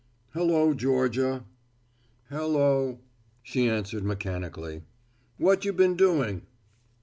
"Hello, Georgia." "Hello," she answered mechanically. "What you been doing?"